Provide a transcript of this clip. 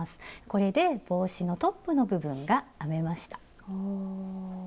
これで帽子のトップの部分が編めました。